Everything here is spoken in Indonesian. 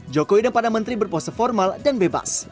jokowi dodo pada menteri berpose formal dan bebas